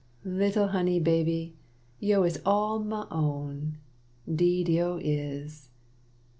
Little honey baby, yo' is all ma own, Deed yo' is.